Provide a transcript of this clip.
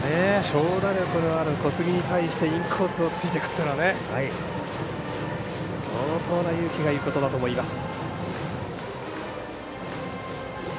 長打力のある小杉に対してインコースをついていくのは相当な勇気がいることだと思います。